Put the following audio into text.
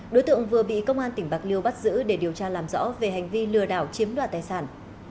đối tượng vừa bị công an tỉnh bạc liêu bắt giữ để điều tra làm rõ về hành vi lừa đảo chiếm đoạt tài sản